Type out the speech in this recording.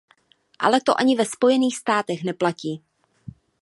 Ale to ani ve Spojených státech neplatí.